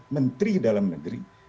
menteri dalam negeri